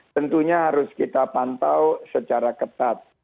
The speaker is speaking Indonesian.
tentunya harus kita pantau secara ketat